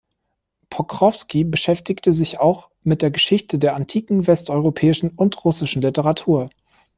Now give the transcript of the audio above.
Pokrowski beschäftigte sich auch mit der Geschichte der antiken, westeuropäischen und russischen Literatur.